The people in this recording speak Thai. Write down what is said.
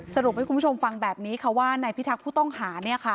สรุปให้คุณผู้ชมฟังแบบนี้ค่ะว่านายพิทักษ์ผู้ต้องหา